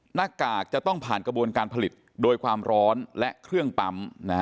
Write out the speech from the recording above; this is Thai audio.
หน้ากากจะต้องผ่านกระบวนการผลิตโดยความร้อนและเครื่องปั๊ม